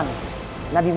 untuk menjadi jalan